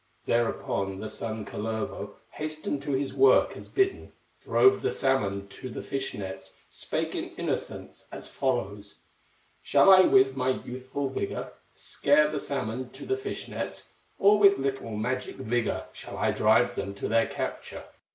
Thereupon the son, Kullervo, Hastened to his work as bidden, Drove the salmon to the fish nets, Spake in innocence as follows: "Shall I with my youthful vigor Scare the salmon to the fish nets, Or with little magic vigor Shall I drive them to their capture?"